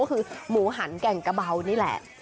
ก็คือหมูหันแก่งกระเบานี่แหละ